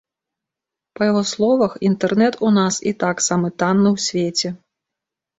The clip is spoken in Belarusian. Па яго словах, інтэрнэт у нас і так самы танны ў свеце.